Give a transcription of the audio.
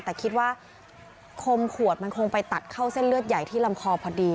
แต่คิดว่าคมขวดมันคงไปตัดเข้าเส้นเลือดใหญ่ที่ลำคอพอดี